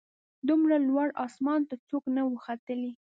دومره لوړ اسمان ته څوک نه وه ختلي